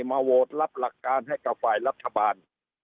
มาโหวตรับหลักการให้กับฝ่ายรัฐบาล